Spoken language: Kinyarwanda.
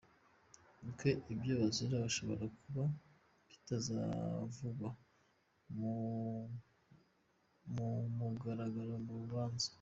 Kuko icyo bazira gishobora kuba kitavugwa ku mugaragaro mu rubanza.